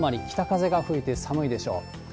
北風が吹いて寒いでしょう。